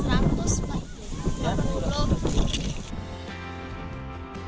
juru foto cilik ini mengaku dibayar seikhlas